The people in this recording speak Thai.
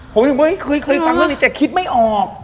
ผมถึงบอกเคยฟังเรื่องนี้แต่คิดไม่ออก